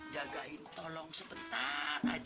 jagain tolong sebentar aja